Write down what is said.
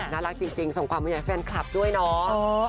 นะรักจริงส่งความใหญ่แฟนคลับด้วยเนาะ